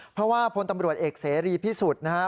เพราะว่าพลตำรวจเอกเสรีพิสุทธิ์นะฮะ